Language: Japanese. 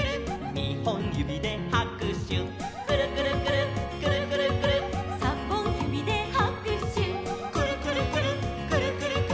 「にほんゆびではくしゅ」「くるくるくるっくるくるくるっ」「さんぼんゆびではくしゅ」「くるくるくるっくるくるくるっ」